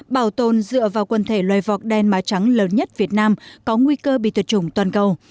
bảo tồn dựa vào quân thể loài vọt đen má trắng lớn nhất việt nam có nguy cơ bị thuật chủng toàn cầu